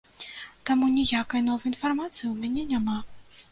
Таму ніякай новай інфармацыі ў мяне няма.